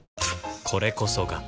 これこそが